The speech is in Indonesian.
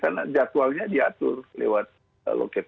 karena jadwalnya di atas